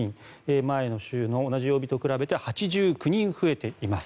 前の週の同じ曜日と比べて８９人増えています。